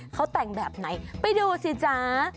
เขาแต่งแบบไหนไปดูสิจ๊ะ